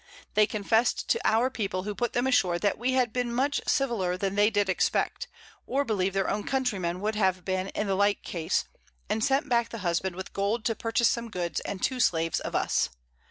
They confess'd to our People, who put them ashore, that we had been much civiller than they did expect, or believe their own Countrymen would have been in the like case, and sent back the Husband with Gold to purchase some Goods and two Slaves of us.